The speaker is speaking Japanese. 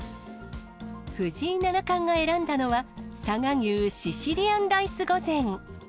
藤井七冠が選んだのは、佐賀牛シシリアンライス御膳。